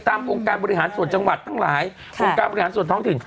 องค์การบริหารส่วนจังหวัดทั้งหลายองค์การบริหารส่วนท้องถิ่น